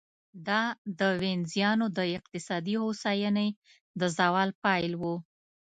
دا د وینزیانو د اقتصادي هوساینې د زوال پیل و.